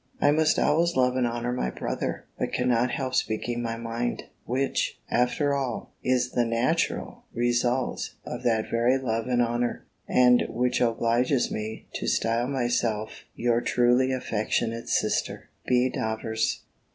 I must always love and honour my brother, but cannot help speaking my mind: which, after all, is the natural result of that very love and honour, and which obliges me to style myself your truly affectionate sister, B. Davers.